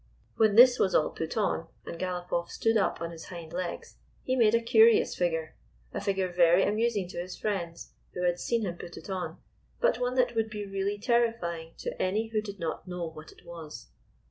When this was all put on, and Galopoff stood up on his hind legs, he made a curious figure — a figure very amusing to his friends, who had 214 THE MARCH UPON THE FOE seen him pui it on, but one that would be really terrifying to any who did not know what it was.